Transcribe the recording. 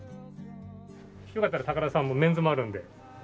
よかったら高田さんもメンズもあるんで。